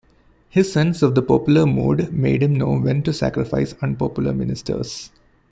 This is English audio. His sense of the popular mood made him know when to sacrifice unpopular ministers.